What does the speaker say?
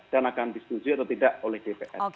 dan akan diskusi atau tidak oleh dpr